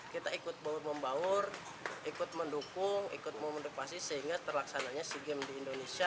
kita ikut membaur ikut mendukung ikut memindupasi sehingga terlaksananya si game di indonesia